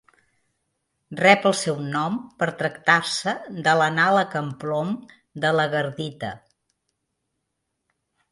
Rep el seu nom per tractar-se de l'anàleg amb plom de l'agardita.